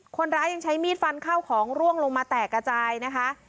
คนร้ายยังใช้มีดฟันเข้าของร่วงลงมาแตกกระจายนะคะ